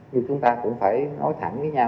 như chúng ta cũng phải nói thẳng với nhau